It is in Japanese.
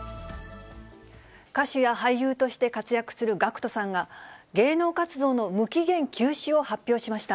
歌手や俳優として活躍するＧＡＣＫＴさんが、芸能活動の無期限休止を発表しました。